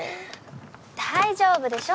大丈夫でしょ